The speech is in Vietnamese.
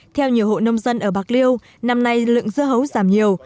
theo nhiều hộ nông dân ở bạc liêu năm nay lượng dưa hấu giảm nhiều